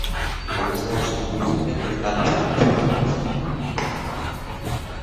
Она знала, что он в Москве, только от Анны.